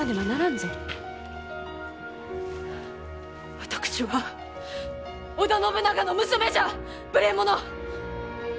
私は織田信長の娘じゃ！